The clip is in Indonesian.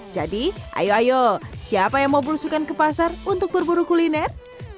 jadi ayo ayo siapa yang mau berusukan ke pasar untuk berburu kuliner